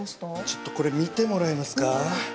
ちょっとこれ診てもらえますか？